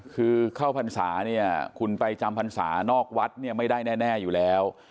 คือเข้าพรรษาเนี่ยคุณไปจำพรรษานอกวัดเนี่ยไม่ได้แน่อยู่แล้ว